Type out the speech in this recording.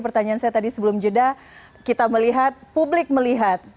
pertanyaan saya tadi sebelum jeda kita melihat publik melihat